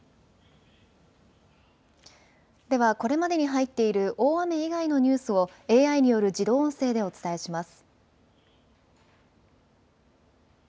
ではこれまでに入っている大雨以外のニュースをＡＩによる自動音声でお伝えします。